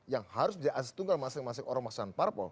yang harus jadi asas tunggal masing masing orang orang pasangan parpol